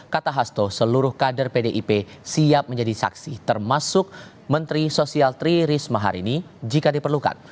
kata hasto seluruh kader pdip siap menjadi saksi termasuk menteri sosial tri risma hari ini jika diperlukan